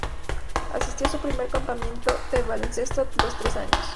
Asistió a su primer campamento de baloncesto a los tres años.